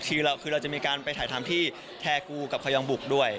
เราคือเราจะมีการไปถ่ายทำที่แทกูกับขยองบุกด้วย